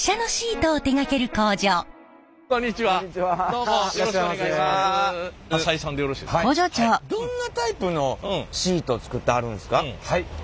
どんなタイプのシートを作ってはるんですか？